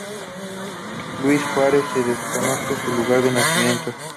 Luis Juarez, se desconoce su lugar de nacimiento.